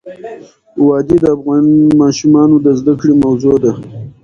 وادي د افغان ماشومانو د زده کړې موضوع ده.